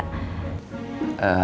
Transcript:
besok kosong ternyata